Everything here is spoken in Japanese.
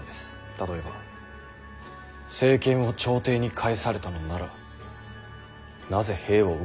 例えば「政権を朝廷に返されたのならなぜ兵を動かしたのですか」と。